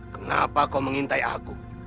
kenapa kau mengintai aku